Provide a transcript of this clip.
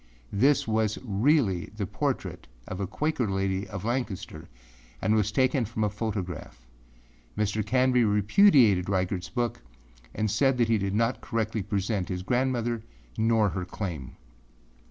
This was really the portrait of a Quaker lady of Lancaster and was taken from a photograph. Mr. Canby repudiated Reigartâs book and said he did not correctly present his grandmother or her claim.